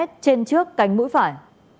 trên trước cánh mũi phải